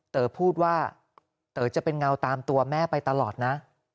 เต๋อพูดว่าเต๋อจะเป็นเงาตามตัวแม่ไปตลอดนะ